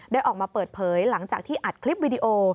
ออกมาเปิดเผยหลังจากที่อัดคลิปวิดีโอ